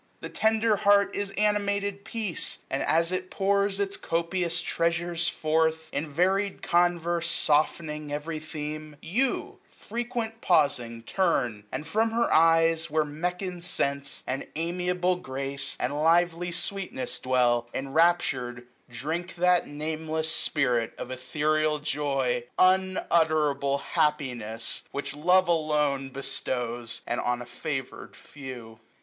The tender heart is animated peace ; And as it pours its copious treasures forth, In varied converse, softening every theme j 940 You, frequent pausing, turn, and from her eyes. Where meekened sense, and amiable grace. And lively sweetness dwell, enraptur'd, drink That nameless spirit of ethereal joy. Unutterable happiness ! which love 945 Alone, bestows, and on a favoured few.